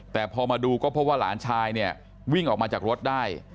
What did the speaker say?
แต่พอมาดูก็พบว่าหลานชายเนี่ยวิ่งออกมาจากรถได้